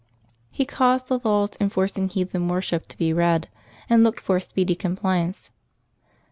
He caused the laws enforcing heathen worship to be read, and looked for a speedy compliance.